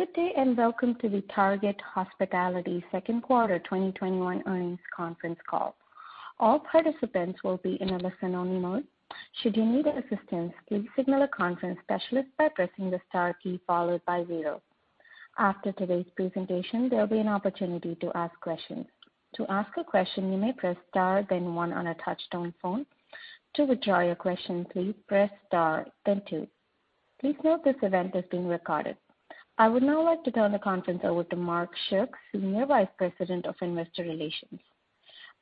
Good day, welcome to the Target Hospitality second quarter 2021 earnings conference call. All participants will be in a listen-only mode. Should you need assistance, please signal a conference specialist by pressing the star key followed by zero. After today's presentation, there'll be an opportunity to ask questions. To ask a question, you may press star then one on a touch-tone phone. To withdraw your question, please press star then two. Please note this event is being recorded. I would now like to turn the conference over to Mark Schuck, Senior Vice President of Investor Relations.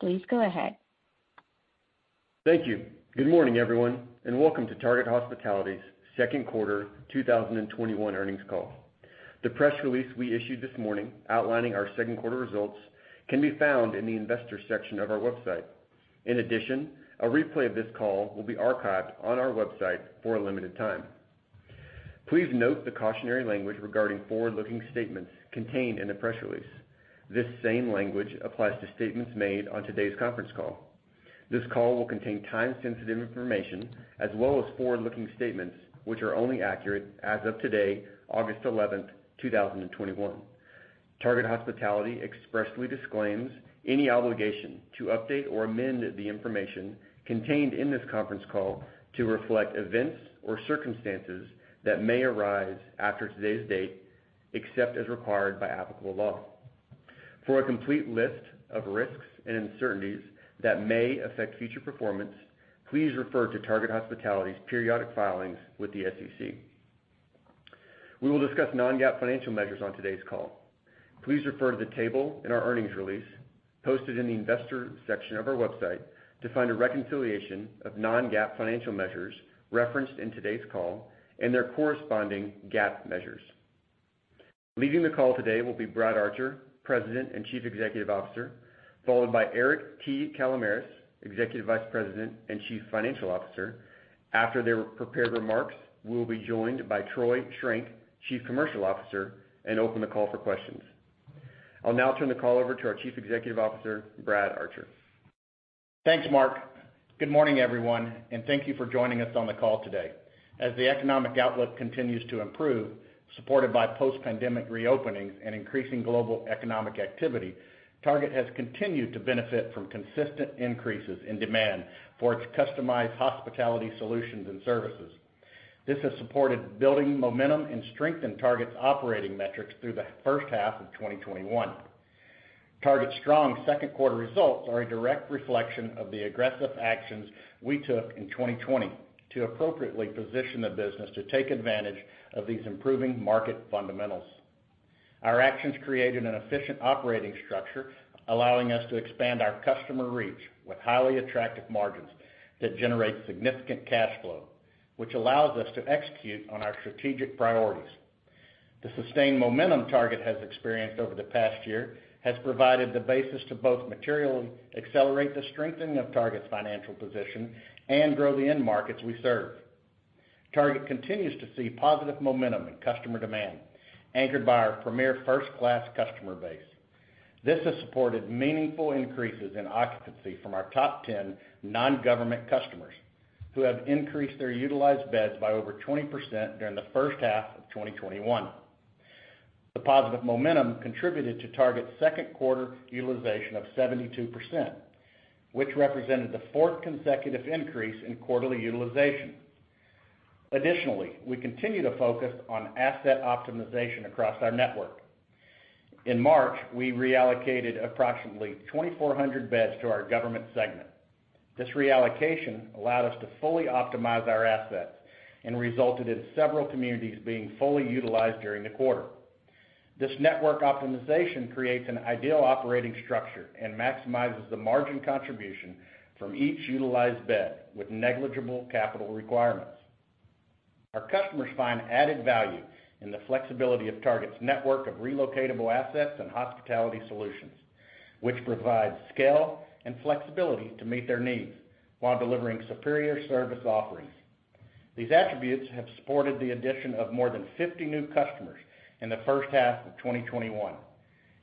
Please go ahead. Thank you. Good morning, everyone, and welcome to Target Hospitality's second quarter 2021 earnings call. The press release we issued this morning outlining our second quarter results can be found in the Investors section of our website. A replay of this call will be archived on our website for a limited time. Please note the cautionary language regarding forward-looking statements contained in the press release. This same language applies to statements made on today's conference call. This call will contain time-sensitive information as well as forward-looking statements, which are only accurate as of today, August 11th, 2021. Target Hospitality expressly disclaims any obligation to update or amend the information contained in this conference call to reflect events or circumstances that may arise after today's date, except as required by applicable law. For a complete list of risks and uncertainties that may affect future performance, please refer to Target Hospitality's periodic filings with the SEC. We will discuss non-GAAP financial measures on today's call. Please refer to the table in our earnings release posted in the Investor section of our website to find a reconciliation of non-GAAP financial measures referenced in today's call and their corresponding GAAP measures. Leading the call today will be Brad Archer, President and Chief Executive Officer, followed by Eric T. Kalamaras, Executive Vice President and Chief Financial Officer. After their prepared remarks, we will be joined by Troy Schrenk, Chief Commercial Officer, and open the call for questions. I'll now turn the call over to our Chief Executive Officer, Brad Archer. Thanks, Mark. Good morning, everyone, and thank you for joining us on the call today. As the economic outlook continues to improve, supported by post-pandemic reopenings and increasing global economic activity, Target has continued to benefit from consistent increases in demand for its customized hospitality solutions and services. This has supported building momentum and strengthened Target's operating metrics through the first half of 2021. Target's strong second quarter results are a direct reflection of the aggressive actions we took in 2020 to appropriately position the business to take advantage of these improving market fundamentals. Our actions created an efficient operating structure, allowing us to expand our customer reach with highly attractive margins that generate significant cash flow, which allows us to execute on our strategic priorities. The sustained momentum Target has experienced over the past year has provided the basis to both materially accelerate the strengthening of Target's financial position and grow the end markets we serve. Target continues to see positive momentum in customer demand, anchored by our premier first-class customer base. This has supported meaningful increases in occupancy from our top 10 non-government customers, who have increased their utilized beds by over 20% during the first half of 2021. The positive momentum contributed to Target's second quarter utilization of 72%, which represented the fourth consecutive increase in quarterly utilization. Additionally, we continue to focus on asset optimization across our network. In March, we reallocated approximately 2,400 beds to our Government segment. This reallocation allowed us to fully optimize our assets and resulted in several communities being fully utilized during the quarter. This network optimization creates an ideal operating structure and maximizes the margin contribution from each utilized bed with negligible capital requirements. Our customers find added value in the flexibility of Target's network of relocatable assets and hospitality solutions, which provide scale and flexibility to meet their needs while delivering superior service offerings. These attributes have supported the addition of more than 50 new customers in the first half of 2021,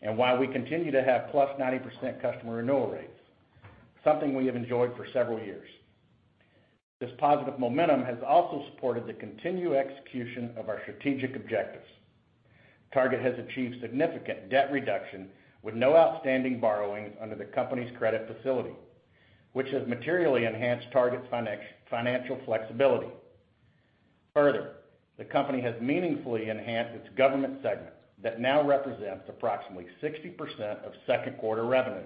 and while we continue to have +90% customer renewal rates, something we have enjoyed for several years. This positive momentum has also supported the continued execution of our strategic objectives. Target has achieved significant debt reduction with no outstanding borrowings under the company's credit facility, which has materially enhanced Target's financial flexibility. Further, the company has meaningfully enhanced its Government segment that now represents approximately 60% of second quarter revenue.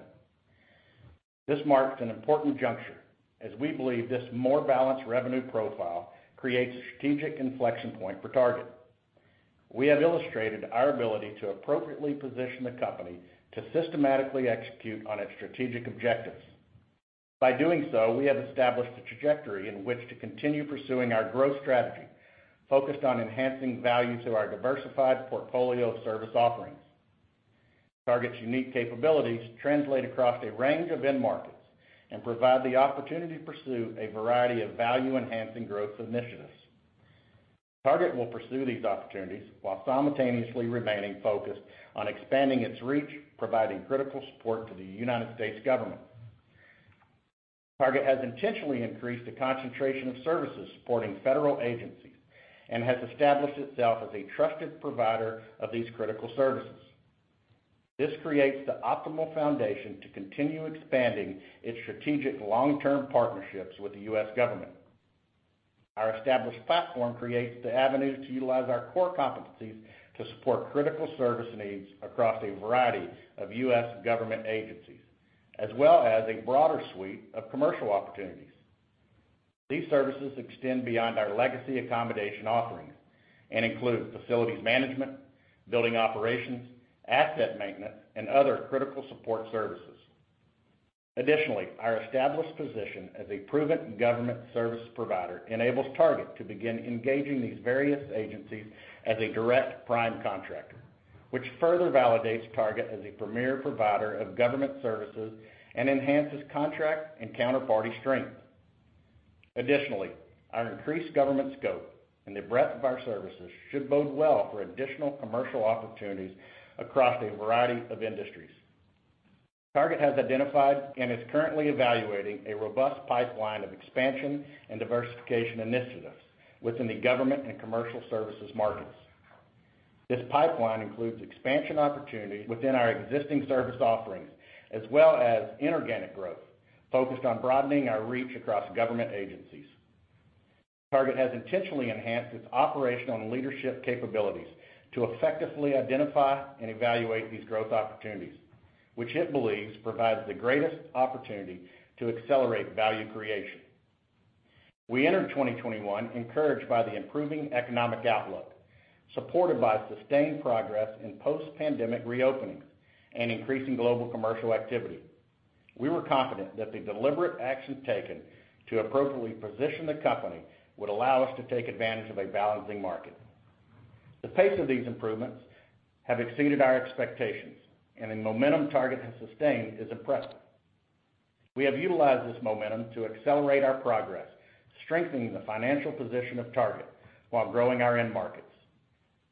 This marks an important juncture as we believe this more balanced revenue profile creates a strategic inflection point for Target. We have illustrated our ability to appropriately position the company to systematically execute on its strategic objectives. By doing so, we have established a trajectory in which to continue pursuing our growth strategy focused on enhancing value to our diversified portfolio of service offerings. Target's unique capabilities translate across a range of end markets and provide the opportunity to pursue a variety of value-enhancing growth initiatives. Target will pursue these opportunities while simultaneously remaining focused on expanding its reach, providing critical support to the United States government. Target has intentionally increased the concentration of services supporting federal agencies and has established itself as a trusted provider of these critical services. This creates the optimal foundation to continue expanding its strategic long-term partnerships with the U.S. government. Our established platform creates the avenue to utilize our core competencies to support critical service needs across a variety of U.S. government agencies, as well as a broader suite of commercial opportunities. These services extend beyond our legacy accommodation offerings and include facilities management, building operations, asset maintenance, and other critical support services. Additionally, our established position as a proven government service provider enables Target to begin engaging these various agencies as a direct prime contractor, which further validates Target as a premier provider of government services and enhances contract and counterparty strength. Additionally, our increased government scope and the breadth of our services should bode well for additional commercial opportunities across a variety of industries. Target has identified and is currently evaluating a robust pipeline of expansion and diversification initiatives within the government and commercial services markets. This pipeline includes expansion opportunities within our existing service offerings, as well as inorganic growth focused on broadening our reach across government agencies. Target has intentionally enhanced its operational and leadership capabilities to effectively identify and evaluate these growth opportunities, which it believes provides the greatest opportunity to accelerate value creation. We entered 2021 encouraged by the improving economic outlook, supported by sustained progress in post-pandemic reopenings and increasing global commercial activity. We were confident that the deliberate actions taken to appropriately position the company would allow us to take advantage of a balancing market. The pace of these improvements have exceeded our expectations, and the momentum Target has sustained is impressive. We have utilized this momentum to accelerate our progress, strengthening the financial position of Target while growing our end markets.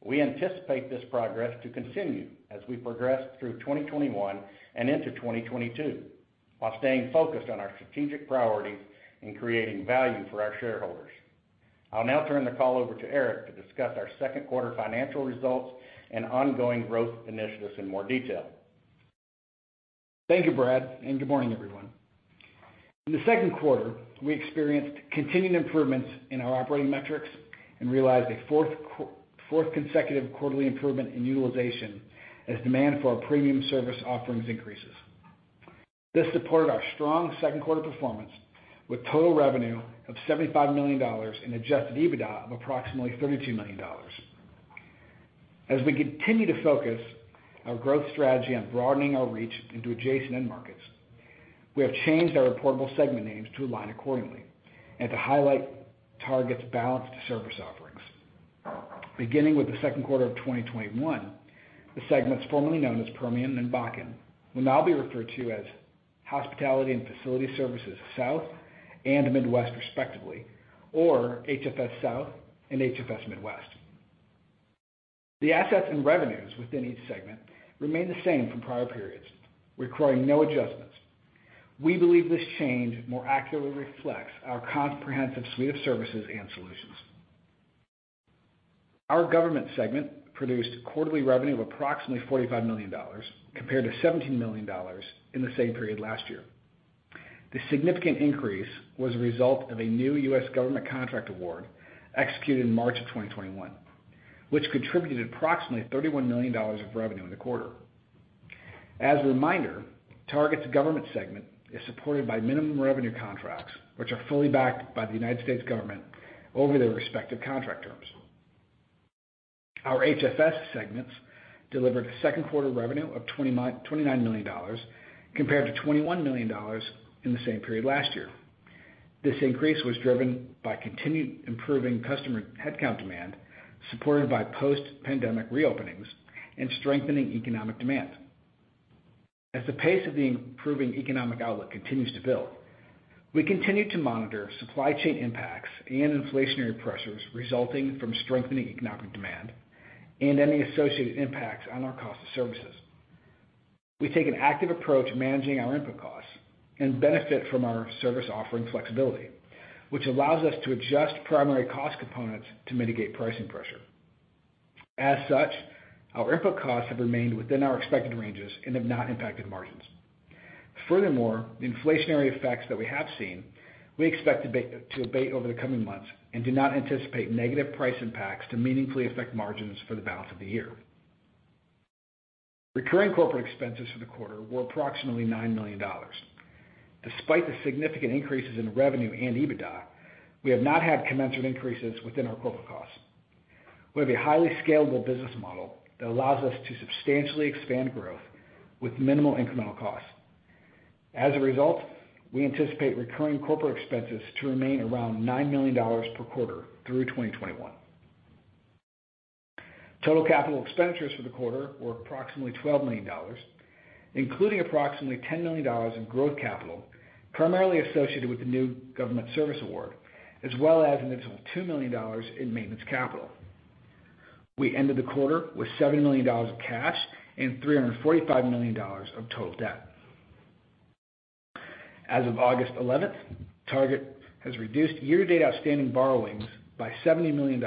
We anticipate this progress to continue as we progress through 2021 and into 2022, while staying focused on our strategic priorities in creating value for our shareholders. I'll now turn the call over to Eric to discuss our second quarter financial results and ongoing growth initiatives in more detail. Thank you, Brad, and good morning, everyone. In the second quarter, we experienced continuing improvements in our operating metrics and realized a fourth consecutive quarterly improvement in utilization as demand for our premium service offerings increases. This supported our strong second quarter performance with total revenue of $75 million and adjusted EBITDA of approximately $32 million. As we continue to focus our growth strategy on broadening our reach into adjacent end markets, we have changed our reportable segment names to align accordingly and to highlight Target's balanced service offerings. Beginning with the second quarter of 2021, the segments formerly known as Permian and Bakken will now be referred to as Hospitality & Facilities Services - South and Hospitality & Facilities Services - Midwest respectively, or HFS - South and HFS - Midwest. The assets and revenues within each segment remain the same from prior periods, requiring no adjustments. We believe this change more accurately reflects our comprehensive suite of services and solutions. Our Government segment produced quarterly revenue of approximately $45 million, compared to $17 million in the same period last year. The significant increase was a result of a new U.S. government contract award executed in March of 2021, which contributed approximately $31 million of revenue in the quarter. As a reminder, Target's Government segment is supported by minimum revenue contracts, which are fully backed by the United States government over their respective contract terms. Our HFS segments delivered second quarter revenue of $29 million, compared to $21 million in the same period last year. This increase was driven by continued improving customer headcount demand, supported by post-pandemic reopenings and strengthening economic demand. As the pace of the improving economic outlook continues to build, we continue to monitor supply chain impacts and inflationary pressures resulting from strengthening economic demand and any associated impacts on our cost of services. We take an active approach managing our input costs and benefit from our service offering flexibility, which allows us to adjust primary cost components to mitigate pricing pressure. As such, our input costs have remained within our expected ranges and have not impacted margins. Furthermore, the inflationary effects that we have seen, we expect to abate over the coming months and do not anticipate negative price impacts to meaningfully affect margins for the balance of the year. Recurring corporate expenses for the quarter were approximately $9 million. Despite the significant increases in revenue and EBITDA, we have not had commensurate increases within our corporate costs. We have a highly scalable business model that allows us to substantially expand growth with minimal incremental costs. As a result, we anticipate recurring corporate expenses to remain around $9 million per quarter through 2021. Total capital expenditures for the quarter were approximately $12 million, including approximately $10 million in growth capital, primarily associated with the new government service award, as well as an additional $2 million in maintenance capital. We ended the quarter with $7 million of cash and $345 million of total debt. As of August 11th, Target has reduced year-to-date outstanding borrowings by $70 million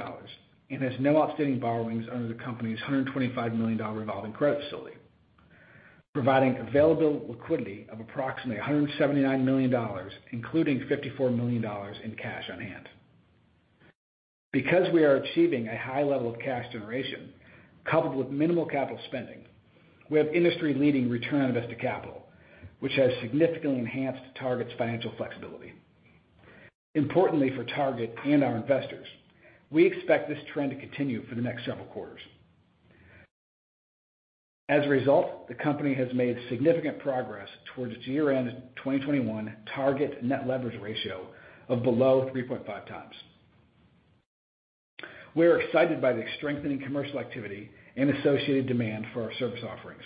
and has no outstanding borrowings under the company's $125 million revolving credit facility, providing available liquidity of approximately $179 million, including $54 million in cash on hand. Because we are achieving a high level of cash generation coupled with minimal capital spending, we have industry-leading return on invested capital, which has significantly enhanced Target's financial flexibility. Importantly for Target and our investors, we expect this trend to continue for the next several quarters. As a result, the company has made significant progress towards its year-end 2021 target net leverage ratio of below 3.5x. We are excited by the strengthening commercial activity and associated demand for our service offerings.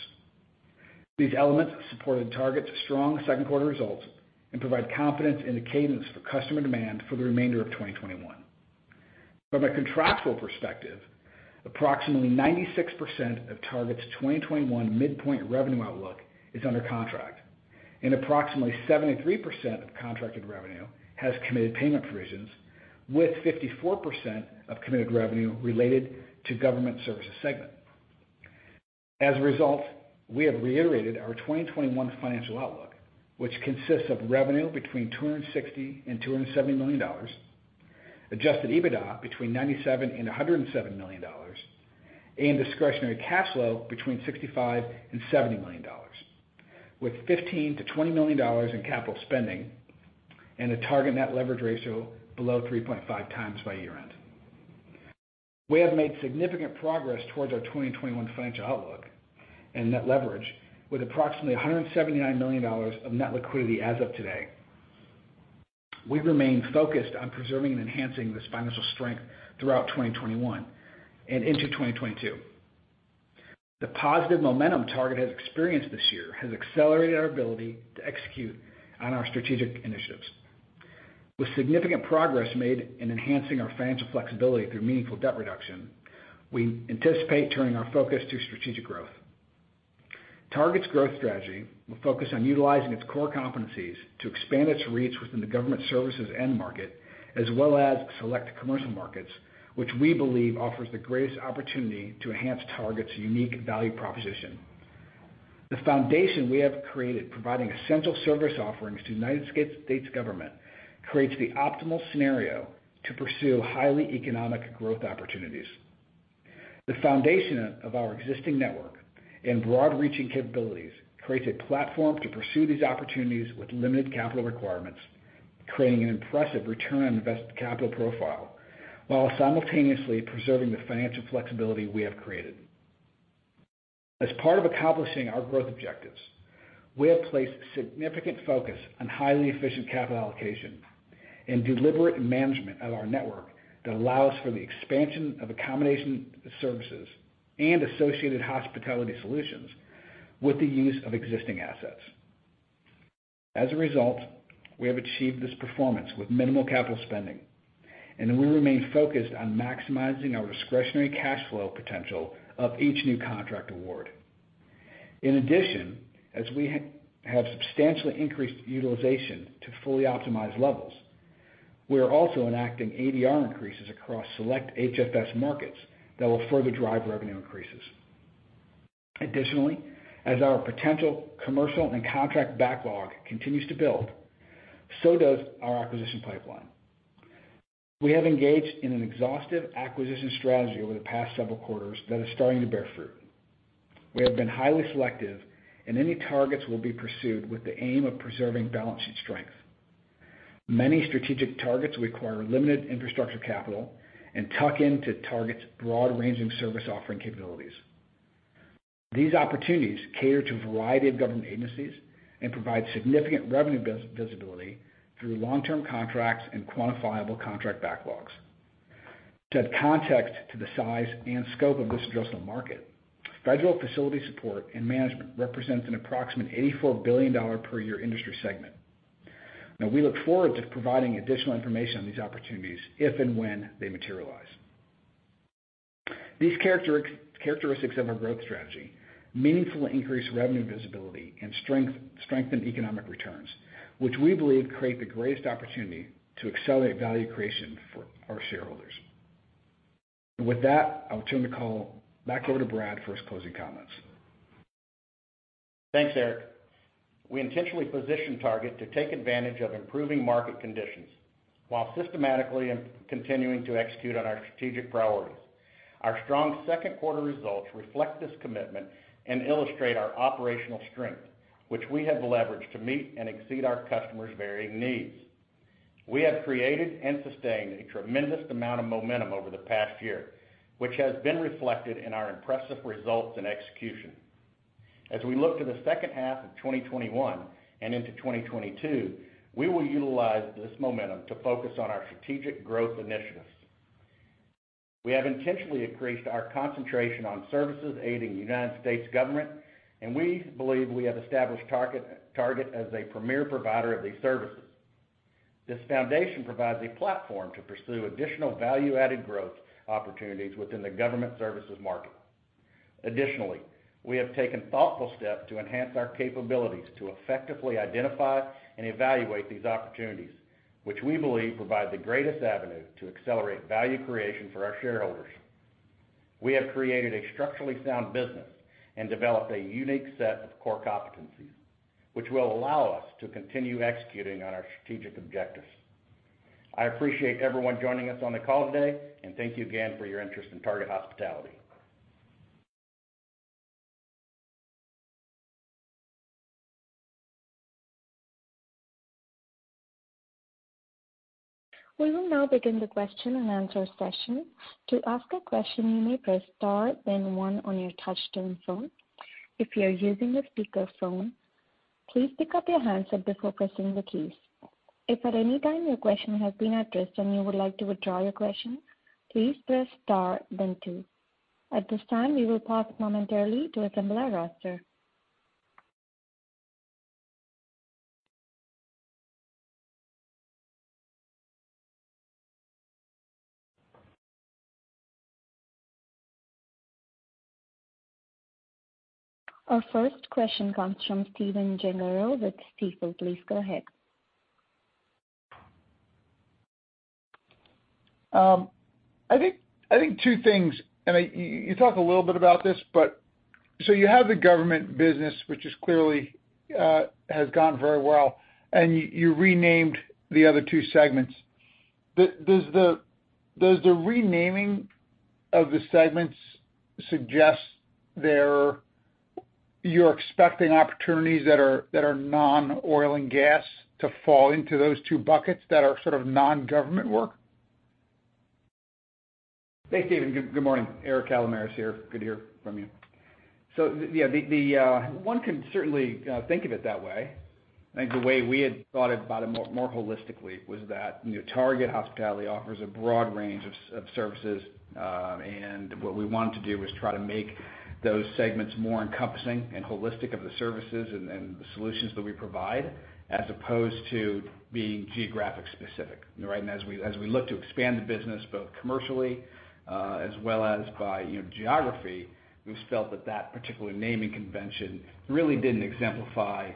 These elements supported Target's strong second quarter results and provide confidence in the cadence for customer demand for the remainder of 2021. From a contractual perspective, approximately 96% of Target's 2021 midpoint revenue outlook is under contract and approximately 73% of contracted revenue has committed payment provisions with 54% of committed revenue related to government services segment. As a result, we have reiterated our 2021 financial outlook, which consists of revenue between $260 million and $270 million, adjusted EBITDA between $97 million and $107 million, and discretionary cash flow between $65 million and $70 million, with $15 million-$20 million in capital spending and a target net leverage ratio below 3.5x by year end. We have made significant progress towards our 2021 financial outlook and net leverage with approximately $179 million of net liquidity as of today. We remain focused on preserving and enhancing this financial strength throughout 2021 and into 2022. The positive momentum Target has experienced this year has accelerated our ability to execute on our strategic initiatives. With significant progress made in enhancing our financial flexibility through meaningful debt reduction, we anticipate turning our focus to strategic growth. Target's growth strategy will focus on utilizing its core competencies to expand its reach within the government services end market, as well as select commercial markets, which we believe offers the greatest opportunity to enhance Target's unique value proposition. The foundation we have created providing essential service offerings to U.S. government creates the optimal scenario to pursue highly economic growth opportunities. The foundation of our existing network and broad-reaching capabilities creates a platform to pursue these opportunities with limited capital requirements, creating an impressive return on invested capital profile while simultaneously preserving the financial flexibility we have created. As part of accomplishing our growth objectives, we have placed significant focus on highly efficient capital allocation and deliberate management of our network that allows for the expansion of accommodation services and associated hospitality solutions with the use of existing assets. As a result, we have achieved this performance with minimal capital spending, and we remain focused on maximizing our discretionary cash flow potential of each new contract award. In addition, as we have substantially increased utilization to fully optimized levels, we are also enacting ADR increases across select HFS markets that will further drive revenue increases. Additionally, as our potential commercial and contract backlog continues to build, so does our acquisition pipeline. We have engaged in an exhaustive acquisition strategy over the past several quarters that is starting to bear fruit. We have been highly selective and any targets will be pursued with the aim of preserving balance sheet strength. Many strategic targets require limited infrastructure capital and tuck into Target's broad range of service offering capabilities. These opportunities cater to a variety of government agencies and provide significant revenue visibility through long-term contracts and quantifiable contract backlogs. To add context to the size and scope of this addressable market, federal facility support and management represents an approximate $84 billion per year industry segment. Now, we look forward to providing additional information on these opportunities if and when they materialize. These characteristics of our growth strategy meaningfully increase revenue visibility and strengthen economic returns, which we believe create the greatest opportunity to accelerate value creation for our shareholders. With that, I'll turn the call back over to Brad for his closing comments. Thanks, Eric. We intentionally positioned Target to take advantage of improving market conditions while systematically continuing to execute on our strategic priorities. Our strong second quarter results reflect this commitment and illustrate our operational strength, which we have leveraged to meet and exceed our customers' varying needs. We have created and sustained a tremendous amount of momentum over the past year, which has been reflected in our impressive results and execution. As we look to the second half of 2021 and into 2022, we will utilize this momentum to focus on our strategic growth initiatives. We have intentionally increased our concentration on services aiding the United States government, and we believe we have established Target as a premier provider of these services. This foundation provides a platform to pursue additional value-added growth opportunities within the government services market. Additionally, we have taken thoughtful steps to enhance our capabilities to effectively identify and evaluate these opportunities, which we believe provide the greatest avenue to accelerate value creation for our shareholders. We have created a structurally sound business and developed a unique set of core competencies, which will allow us to continue executing on our strategic objectives. I appreciate everyone joining us on the call today, and thank you again for your interest in Target Hospitality. We will now begin the question and answer session. To ask a question, you may press star and one on your touchtone phone. If you are using a speakerphone, please pick up your handset before pressing the keys. If at any time your question has been addressed and you would like to withdraw your question, please press star, then two. At this time, we will pause momentarily to assemble our roster. Our first question comes from Stephen Gengaro with Stifel. Please go ahead. I think two things, and you talk a little bit about this, but so you have the government business, which clearly has gone very well, and you renamed the other two segments. Does the renaming of the segments suggest you're expecting opportunities that are non-oil and gas to fall into those two buckets that are sort of non-government work? Thanks, Stephen. Good morning. Eric Kalamaras here. Good to hear from you. Yeah, one can certainly think of it that way. I think the way we had thought about it more holistically was that, Target Hospitality offers a broad range of services, and what we wanted to do was try to make those segments more encompassing and holistic of the services and the solutions that we provide, as opposed to being geographic specific. Right? As we look to expand the business both commercially, as well as by geography, we felt that that particular naming convention really didn't exemplify,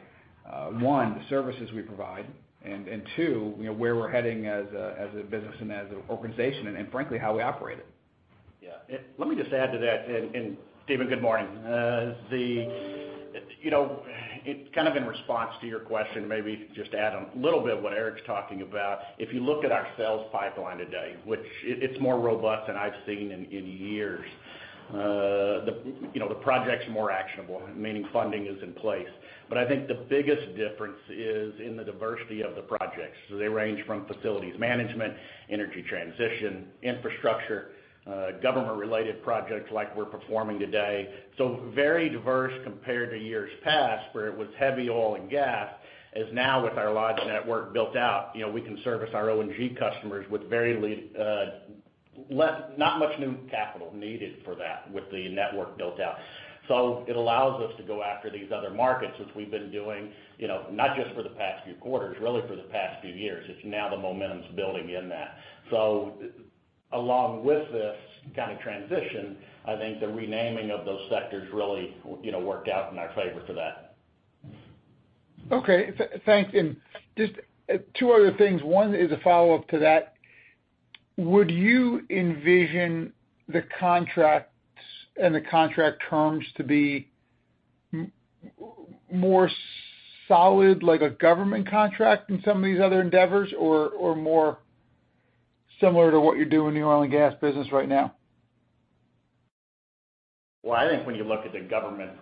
one, the services we provide, and two, where we're heading as a business and as an organization and frankly how we operate it. Yeah. Let me just add to that. Stephen, good morning. Kind of in response to your question, maybe just add on a little bit of what Eric's talking about. If you look at our sales pipeline today, which it's more robust than I've seen in years. The projects are more actionable, meaning funding is in place. I think the biggest difference is in the diversity of the projects. They range from facilities management, energy transition, infrastructure, government related projects like we're performing today. Very diverse compared to years past, where it was heavy oil and gas, as now with our large network built out, we can service our O&G customers with not much new capital needed for that with the network built out. It allows us to go after these other markets, which we've been doing, not just for the past few quarters, really for the past few years. It's now the momentum's building in that. Along with this kind of transition, I think the renaming of those sectors really worked out in our favor for that. Okay, thanks. Just two other things. One is a follow-up to that. Would you envision the contracts and the contract terms to be more solid, like a government contract in some of these other endeavors, or more similar to what you do in the oil and gas business right now? I think when you look at the government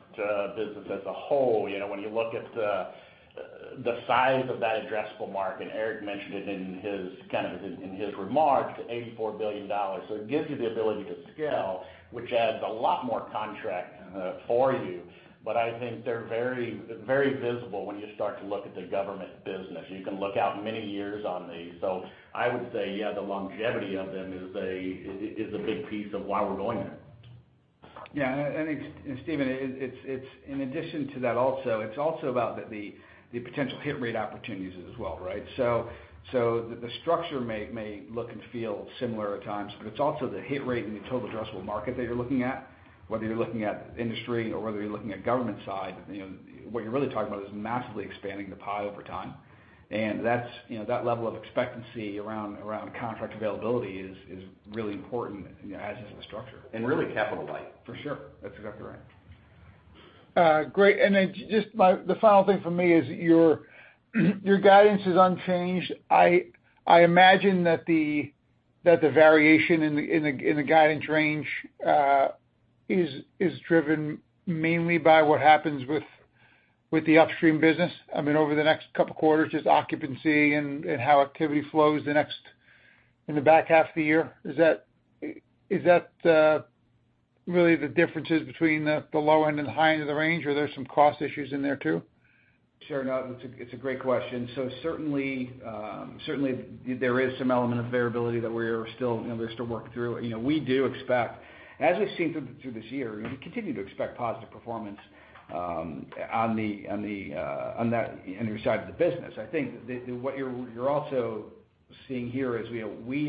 business as a whole, when you look at the size of that addressable market, Eric mentioned it in his remarks, $84 billion. It gives you the ability to scale, which adds a lot more contract for you. I think they're very visible when you start to look at the government business. You can look out many years on these. I would say, yeah, the longevity of them is a big piece of why we're going there. Yeah. Stephen, in addition to that, it's also about the potential hit rate opportunities as well, right? The structure may look and feel similar at times, but it's also the hit rate and the total addressable market that you're looking at, whether you're looking at industry or whether you're looking at government side. What you're really talking about is massively expanding the pie over time. That level of expectancy around contract availability is really important, as is the structure. Really capital light. For sure. That's exactly right. Great. Just the final thing from me is your guidance is unchanged. I imagine that the variation in the guidance range, is driven mainly by what happens with the upstream business. I mean, over the next couple of quarters, just occupancy and how activity flows in the back half of the year. Is that really the differences between the low end and high end of the range, or there's some cost issues in there, too? Sure, no, it's a great question. Certainly, there is some element of variability that we're still to work through. We do expect, as we've seen through this year, we continue to expect positive performance on the energy side of the business. I think that what you're also seeing here is we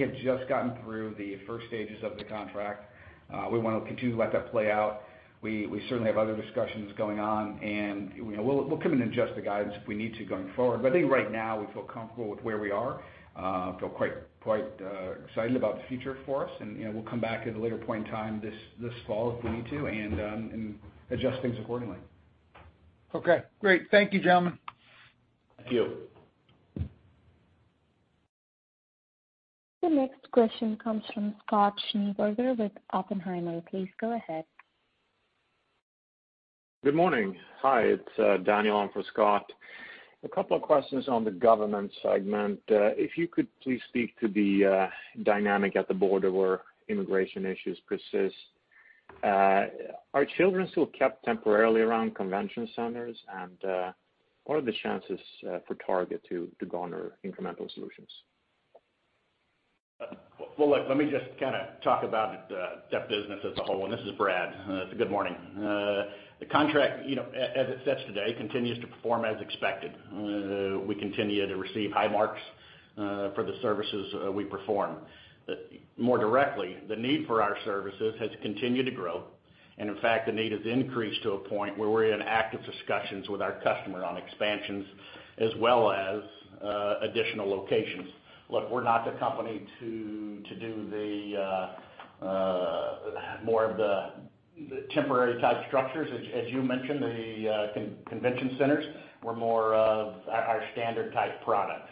have just gotten through the first stages of the contract. We want to continue to let that play out. We certainly have other discussions going on, and we'll come in and adjust the guidance if we need to going forward. I think right now we feel comfortable with where we are. Feel quite excited about the future for us, and we'll come back at a later point in time this fall if we need to, and adjust things accordingly. Okay, great. Thank you, gentlemen. Thank you. The next question comes from Scott Schneeberger with Oppenheimer. Please go ahead. Good morning. Hi, it's Daniel on for Scott. A couple of questions on the Government segment. If you could please speak to the dynamic at the border where immigration issues persist. Are children still kept temporarily around convention centers? What are the chances for Target to garner incremental solutions? Well, look, let me just talk about that business as a whole. This is Brad. Good morning. The contract, as it sits today, continues to perform as expected. We continue to receive high marks for the services we perform. More directly, the need for our services has continued to grow, and in fact, the need has increased to a point where we're in active discussions with our customer on expansions as well as additional locations. Look, we're not the company to do the more of the temporary type structures, as you mentioned, the convention centers. We're more of our standard type products.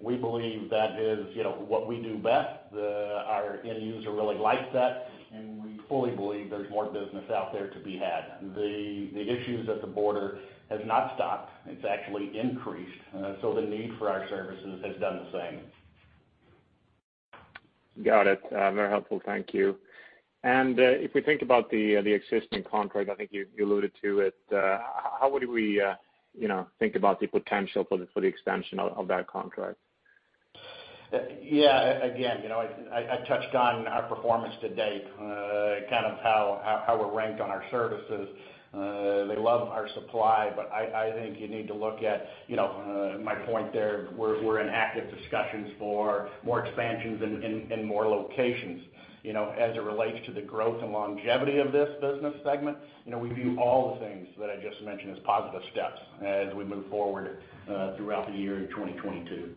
We believe that is what we do best. Our end user really likes that, and we fully believe there's more business out there to be had. The issues at the border has not stopped. It's actually increased. The need for our services has done the same. Got it. Very helpful. Thank you. If we think about the existing contract, I think you alluded to it, how would we think about the potential for the extension of that contract? Yeah. Again, I touched on our performance to date, kind of how we're ranked on our services. They love our supply, but I think you need to look at my point there, we're in active discussions for more expansions in more locations. As it relates to the growth and longevity of this business segment, we view all the things that I just mentioned as positive steps as we move forward throughout the year of 2022.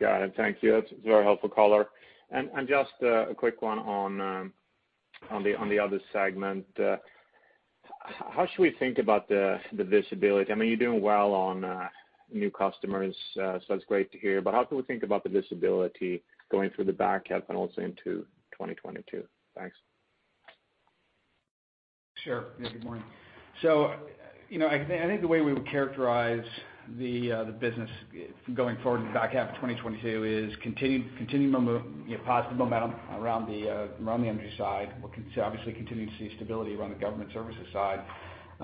Got it. Thank you. That's a very helpful caller. Just a quick one on the other segment. How should we think about the visibility? I mean, you're doing well on new customers, so that's great to hear, but how can we think about the visibility going through the back half and also into 2022? Thanks. Sure. Yeah, good morning. I think the way we would characterize the business going forward in the back half of 2022 is continuing positive momentum around the energy side. We're obviously continuing to see stability around the government services side.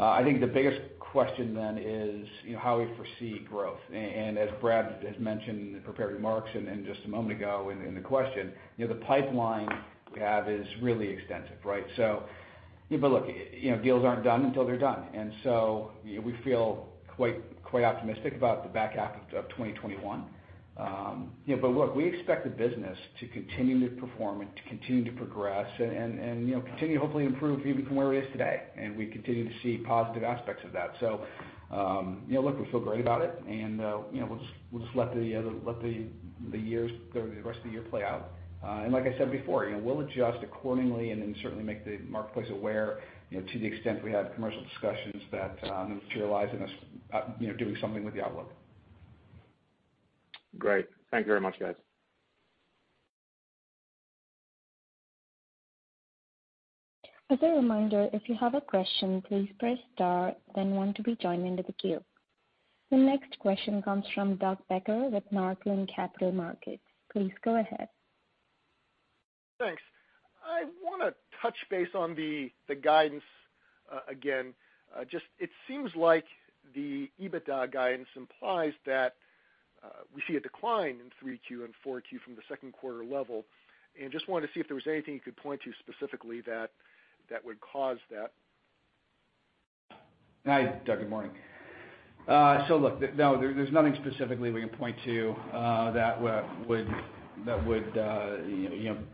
I think the biggest question is how we foresee growth. As Brad has mentioned in the prepared remarks and just a moment ago in the question, the pipeline we have is really extensive, right? Look, deals aren't done until they're done. We feel quite optimistic about the back half of 2021. Look, we expect the business to continue to perform and to continue to progress and continue to hopefully improve even from where it is today. We continue to see positive aspects of that. Look, we feel great about it, and we'll just let the rest of the year play out. Like I said before, we'll adjust accordingly and then certainly make the marketplace aware to the extent we have commercial discussions that materialize and us doing something with the outlook. Great. Thank you very much, guys. As a reminder, if you have a question, please press star, then one to be joined into the queue. The next question comes from Doug Becker with Northland Capital Markets. Please go ahead. Thanks. I want to touch base on the guidance again. Just it seems like the EBITDA guidance implies that we see a decline in 3Q and 4Q from the second quarter level, and just wanted to see if there was anything you could point to specifically that would cause that. Hi, Doug. Good morning. Look, no, there's nothing specifically we can point to that would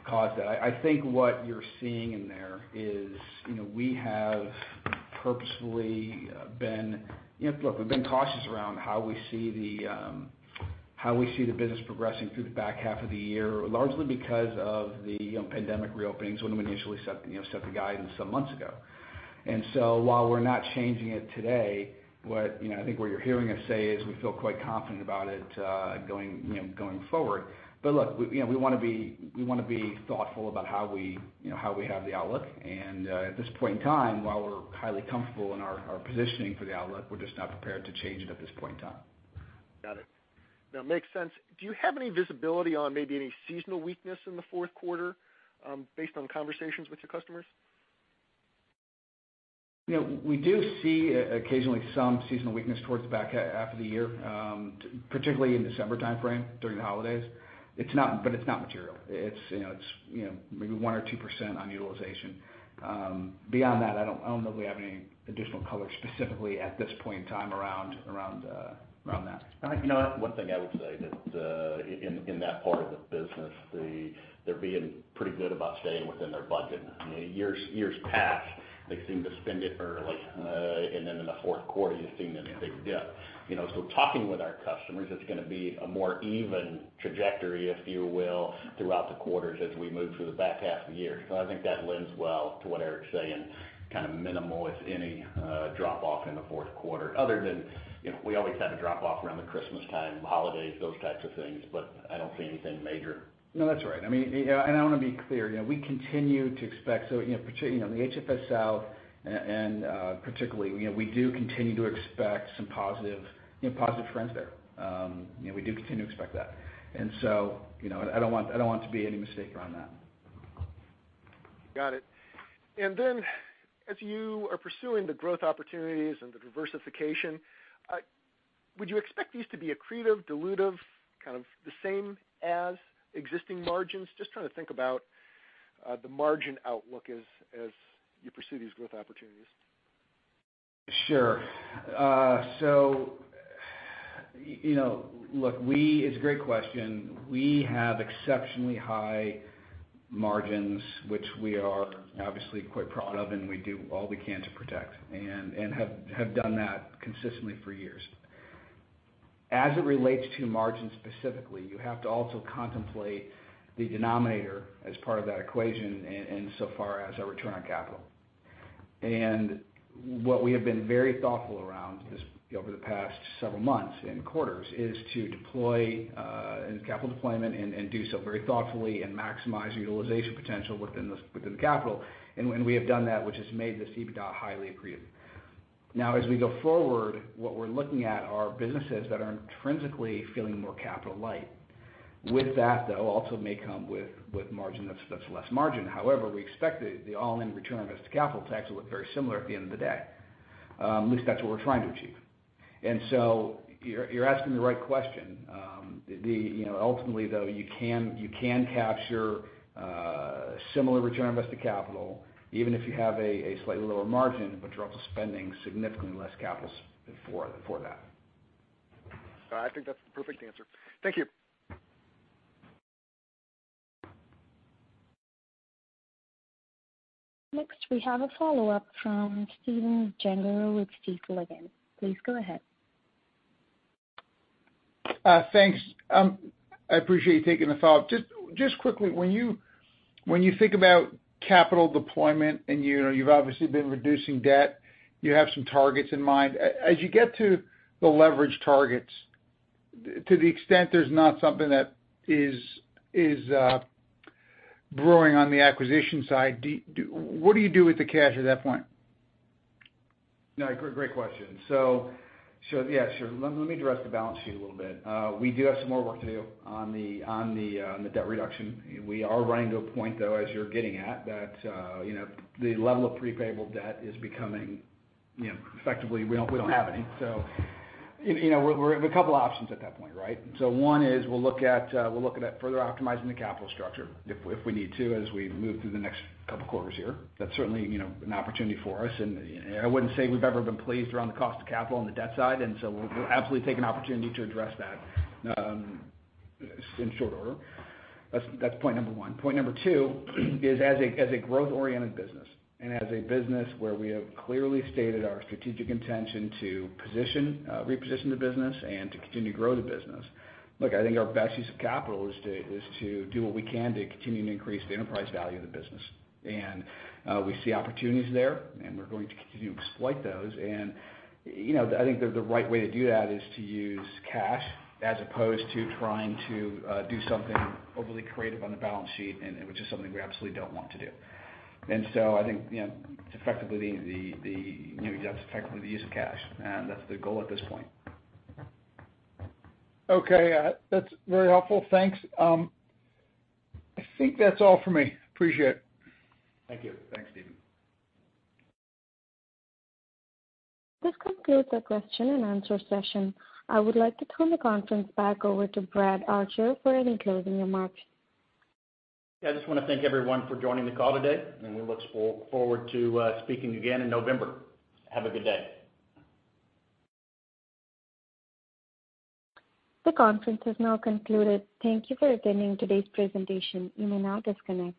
cause that. I think what you're seeing in there is we have purposefully been. Look, we've been cautious around how we see the business progressing through the back half of the year, largely because of the pandemic reopenings when we initially set the guidance some months ago. While we're not changing it today, what I think what you're hearing us say is we feel quite confident about it going forward. Look, we want to be thoughtful about how we have the outlook, and at this point in time, while we're highly comfortable in our positioning for the outlook, we're just not prepared to change it at this point in time. Got it. No, makes sense. Do you have any visibility on maybe any seasonal weakness in the fourth quarter, based on conversations with your customers? We do see occasionally some seasonal weakness towards the back half of the year, particularly in December timeframe, during the holidays. It's not material. It's maybe 1% or 2% on utilization. Beyond that, I don't know that we have any additional color specifically at this point in time around that. 1 thing I would say that in that part of the business, they're being pretty good about staying within their budget. Years past, they seem to spend it early, and then in the fourth quarter, you're seeing a big dip. Talking with our customers, it's going to be a more even trajectory, if you will, throughout the quarters as we move through the back half of the year. I think that lends well to what Eric's saying, minimal, if any, drop-off in the fourth quarter, other than we always have a drop-off around the Christmas time, holidays, those types of things, but I don't see anything major. No, that's right. I want to be clear. The HFS - South and particularly, we do continue to expect some positive trends there. We do continue to expect that. I don't want to be any mistake around that. Got it. As you are pursuing the growth opportunities and the diversification, would you expect these to be accretive, dilutive, kind of the same as existing margins? Just trying to think about the margin outlook as you pursue these growth opportunities. Sure. Look, it's a great question. We have exceptionally high margins, which we are obviously quite proud of and we do all we can to protect, and have done that consistently for years. As it relates to margins specifically, you have to also contemplate the denominator as part of that equation insofar as our return on capital. What we have been very thoughtful around over the past several months and quarters is to deploy in capital deployment and do so very thoughtfully and maximize utilization potential within the capital. We have done that, which has made the capital deployment highly accretive. Now as we go forward, what we're looking at are businesses that are intrinsically feeling more capital light. With that, though, also may come with margin that's less margin. We expect the all-in return on invested capital to look very similar at the end of the day. At least that's what we're trying to achieve. You're asking the right question. Ultimately, though, you can capture similar return on invested capital, even if you have a slightly lower margin, but you're also spending significantly less capital for that. I think that's the perfect answer. Thank you. Next, we have a follow-up from Stephen Gengaro with Stifel again. Please go ahead. Thanks. I appreciate you taking the follow-up. Just quickly, when you think about capital deployment and you've obviously been reducing debt, you have some targets in mind. As you get to the leverage targets, to the extent there's not something that is brewing on the acquisition side, what do you do with the cash at that point? No, great question. Yeah, sure. Let me address the balance sheet a little bit. We do have some more work to do on the debt reduction. We are running to a point, though, as you're getting at, that the level of prepaid debt is becoming effectively, we don't have any. We have a couple options at that point, right? One is we'll look at further optimizing the capital structure if we need to as we move through the next couple quarters here. That's certainly an opportunity for us, and I wouldn't say we've ever been pleased around the cost of capital on the debt side, and so we'll absolutely take an opportunity to address that in short order. That's point number one. Point number two is as a growth-oriented business and as a business where we have clearly stated our strategic intention to reposition the business and to continue to grow the business. Look, I think our best use of capital is to do what we can to continue to increase the enterprise value of the business. We see opportunities there, and we're going to continue to exploit those. I think the right way to do that is to use cash as opposed to trying to do something overly creative on the balance sheet, and which is something we absolutely don't want to do. I think that's effectively the use of cash, and that's the goal at this point. Okay. That's very helpful. Thanks. I think that's all for me. Appreciate it. Thank you. Thanks, Stephen. This concludes the question and answer session. I would like to turn the conference back over to Brad Archer for any closing remarks. Yeah, I just want to thank everyone for joining the call today, and we look forward to speaking again in November. Have a good day. The conference has now concluded. Thank you for attending today's presentation. You may now disconnect.